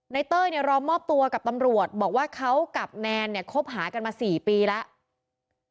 เต้ยเนี่ยรอมอบตัวกับตำรวจบอกว่าเขากับแนนเนี่ยคบหากันมา๔ปีแล้ว